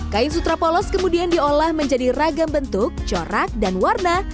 kain sutra polos kemudian diolah menjadi ragam bentuk corak dan warna